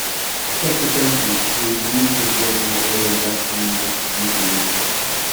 Subsequently, he resumed his work in the oil and gasoline distribution business.